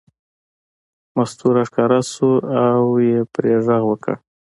مستو راښکاره شوه او یې پرې غږ وکړ.